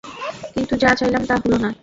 কিন্তু যা চাইলাম তা হল না।